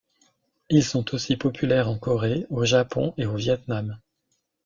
Ils sont aussi populaires en Corée, au Japon et au Viêt Nam.